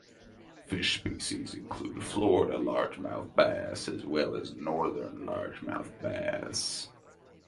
Fish species include Florida largemouth bass as well as Northern largemouth bass.